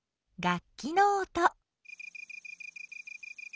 楽器の音。